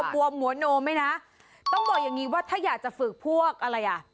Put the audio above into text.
บวมหัวโนมไหมนะต้องบอกอย่างงี้ว่าถ้าอยากจะฝึกพวกอะไรอ่ะ